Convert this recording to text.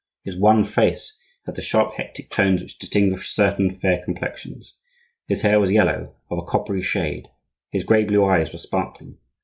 His wan face had the sharp hectic tones which distinguish certain fair complexions; his hair was yellow, of a coppery shade; his gray blue eyes were sparkling.